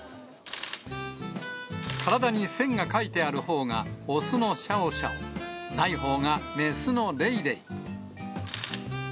体に線が書いてあるほうが雄のシャオシャオ、ないほうが雌のレイレイ。